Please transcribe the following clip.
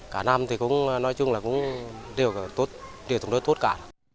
cả năm thì nói chung là cũng đều tổng đối tốt cả